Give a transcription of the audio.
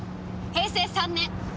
平成３年。